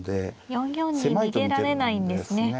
４四に逃げられないんですね